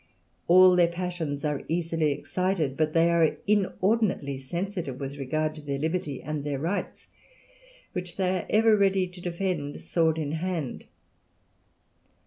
All their passions are easily excited, but they are inordinately sensitive with regard to their liberty and their rights, which they are ever ready to defend sword in hand.